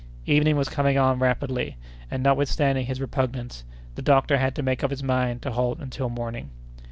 Evening was coming on rapidly, and, notwithstanding his repugnance, the doctor had to make up his mind to halt until morning.